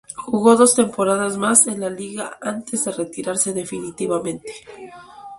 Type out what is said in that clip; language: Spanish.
Jugó dos temporadas más en la liga antes de retirarse definitivamente.